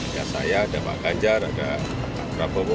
ya saya ada pak ganjar ada pak prabowo